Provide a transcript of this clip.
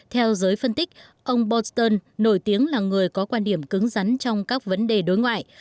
theo giới phân tích ông borston nổi tiếng là người có quan điểm cứng rắn trong các vấn đề đối ngoại